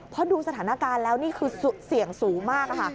เพราะดูสถานการณ์แล้วนี่คือเสี่ยงสูงมากค่ะ